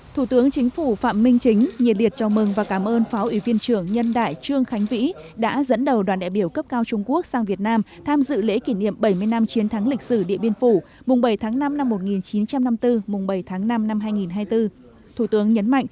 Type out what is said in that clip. thủ tướng chính phủ phạm minh chính nhiệt liệt chào mừng và cảm ơn phó ủy viên trưởng nhân đại trương khánh vĩ đã dẫn đầu đoàn đại biểu cấp cao trung quốc sang việt nam tham dự lễ kỷ niệm bảy mươi năm chiến thắng lịch sử điện biên phủ mùng bảy tháng năm năm một nghìn chín trăm năm mươi bốn mùng bảy tháng năm năm hai nghìn hai mươi bốn